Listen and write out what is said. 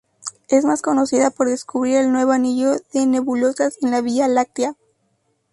Es más conocida por descubrir el nuevo anillo de nebulosas en la Vía Láctea.